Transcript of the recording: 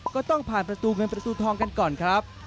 ก็ต้องผ่านประตูเงินประตูทองกันก่อนครับ